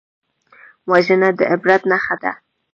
وژنه د عبرت نښه ده